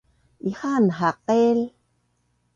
Ihaan haqil